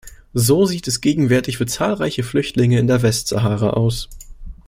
So sieht es gegenwärtig für zahlreiche Flüchtlinge in der Westsahara aus.